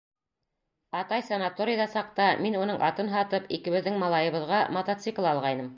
Атай санаторийҙа саҡта мин уның атын һатып, икебеҙҙең малайыбыҙға мотоцикл алғайным.